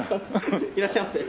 いらっしゃいませ。